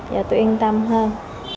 và tôi yên tâm hơn